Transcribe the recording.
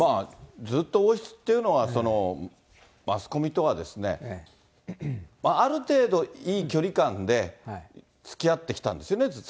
ずっと王室っていうのは、マスコミとかですね、ある程度、いい距離感でつきあってきたんですよね、ずっと。